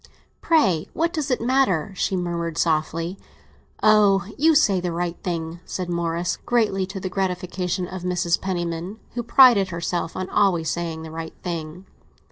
"Pray, what does it matter?" she murmured softly. "Ah, you say the right thing!" said Morris, greatly to the gratification of Mrs. Penniman, who prided herself on always saying the right thing.